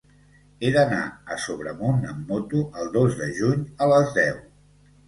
He d'anar a Sobremunt amb moto el dos de juny a les deu.